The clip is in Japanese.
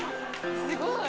「すごい！」